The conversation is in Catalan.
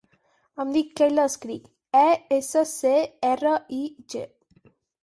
Em dic Keyla Escrig: e, essa, ce, erra, i, ge.